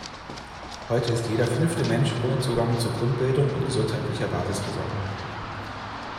Heute ist jeder fünfte Mensch ohne Zugang zu Grundbildung und gesundheitlicher Basisversorgung.